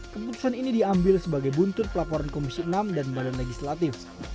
keputusan ini diambil sebagai buntut pelaporan komisi enam dan badan legislatif